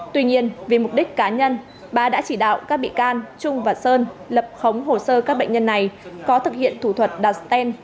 tuy nhiên vì mục đích cá nhân bà đã chỉ đạo các bị can trung và sơn lập khống hồ sơ các bệnh nhân này có thực hiện thủ thuật đặt stent